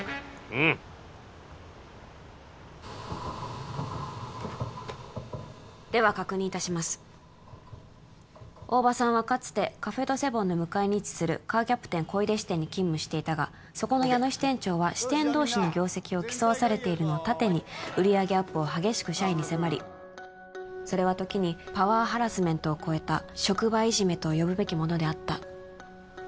うんでは確認いたします大庭さんはかつてカフェ・ド・セボンの向かいに位置するカーキャプテン小井手支店に勤務していたがそこの矢野支店長は支店同士の業績を競わされているのを盾に売り上げアップを激しく社員に迫りそれは時にパワーハラスメントを超えた職場いじめと呼ぶべきものであったはい